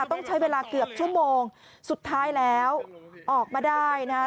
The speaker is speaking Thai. ต้องใช้เวลาเกือบชั่วโมงสุดท้ายแล้วออกมาได้นะฮะ